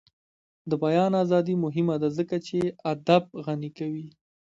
د بیان ازادي مهمه ده ځکه چې ادب غني کوي.